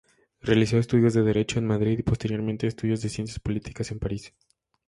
Realizó estudios de derecho en Madrid y, posteriormente, estudios de ciencias políticas en París.